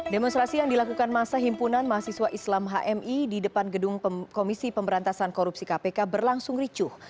demonstrasi yang dilakukan masa himpunan mahasiswa islam hmi di depan gedung komisi pemberantasan korupsi kpk berlangsung ricuh